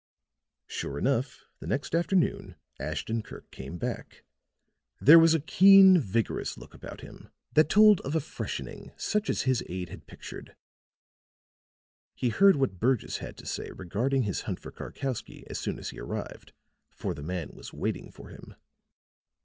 Sure enough, the next afternoon Ashton Kirk came back; there was a keen, vigorous look about him that told of a freshening such as his aide had pictured. He heard what Burgess had to say regarding his hunt for Karkowsky as soon as he arrived, for the man was waiting for him.